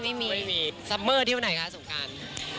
ซัมเมอร์ที่วันไหนคะสงการ